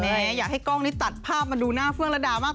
อยากให้กล้องนี้ตัดภาพมาดูหน้าเฟื่องระดามาก